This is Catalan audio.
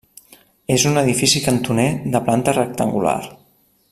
És un edifici cantoner de planta rectangular.